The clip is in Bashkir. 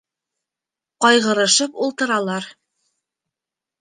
Ҡайғырышып ултыралар.